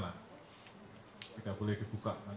raters tidak ada orang di surabaya